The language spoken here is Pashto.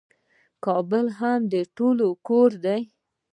کابل هم د ټولو کور دی.